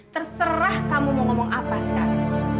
terserah kamu mau ngomong apa sekali